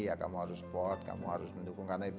ya kamu harus support kamu harus mendukung